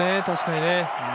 確かにね